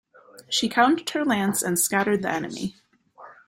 She couched her lance and scattered the enemy.